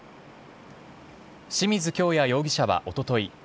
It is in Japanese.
清水京弥容疑者はおととい